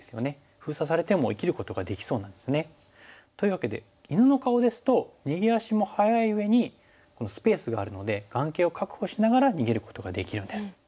封鎖されても生きることができそうなんですね。というわけで犬の顔ですと逃げ足も速いうえにスペースがあるので眼形を確保しながら逃げることができるんです。